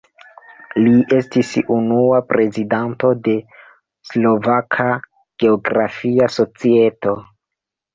Li estis unua prezidanto de Slovaka geografia societo.